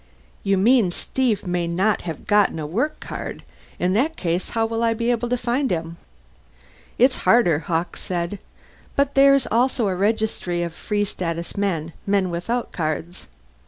"You mean Steve may not have gotten a work card? In that case how will I be able to find him?" "It's harder," Hawkes said. "But there's also a registry of Free Status men men without cards.